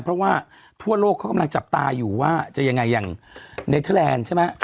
เพราะว่าทั่วโลกเขากำลังจับตาอยู่ว่าจะยังไงอย่างเนเทอร์แลนด์ใช่ไหม